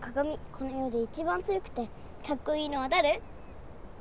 このよでいちばん強くてかっこいいのはだれ？